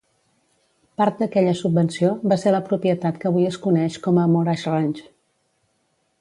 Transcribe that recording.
Part d'aquella subvenció va ser la propietat que avui es coneix com a Moraga Ranch.